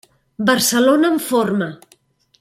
Barcelona en forma.